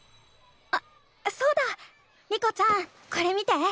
あそうだ。リコちゃんこれ見て。